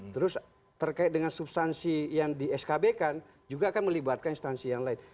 terus terkait dengan substansi yang di skb kan juga akan melibatkan instansi yang lain